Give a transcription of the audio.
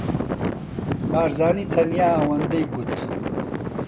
بارزانی تەنیا ئەوەندەی گوت: